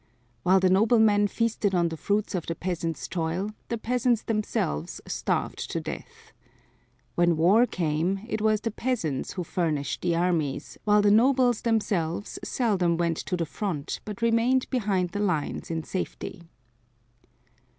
While the noblemen feasted on the fruits of the peasants' toil, the peasants themselves starved to death. When war came it was the peasants who furnished the armies while the nobles themselves seldom went to the front but remained behind the lines in safety.